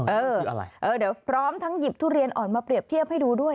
เอออะไรเออเดี๋ยวพร้อมทั้งหยิบทุเรียนอ่อนมาเรียบเทียบให้ดูด้วย